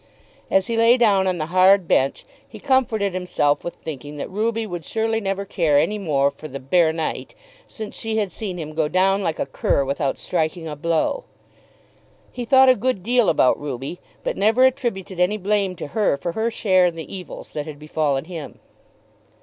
As he lay down on the hard bench, he comforted himself with thinking that Ruby would surely never care any more for the "baronite" since she had seen him go down like a cur without striking a blow. He thought a good deal about Ruby, but never attributed any blame to her for her share in the evils that had befallen him.